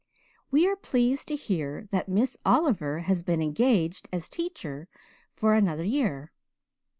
"'We are pleased to hear that Miss Oliver has been engaged as teacher for another year.